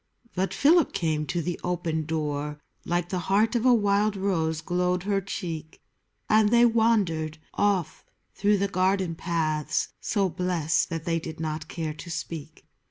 But Philip came to the open door : Like the heart of a wild rose glowed her cheek, And they wandered off through the garden paths So blest that they did not care to speak.